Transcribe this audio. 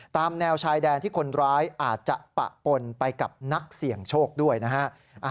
ตามแนวชายแดนที่คนร้ายอาจจะปะปนไปกับนักเสี่ยงโชคด้วยนะฮะ